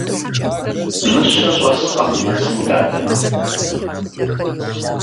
Мыщэ щӀэскъэ мы мэзым, дадэ?